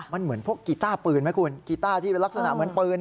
มันเหมือนพวกกีต้าปืนไหมคุณกีต้าที่เป็นลักษณะเหมือนปืน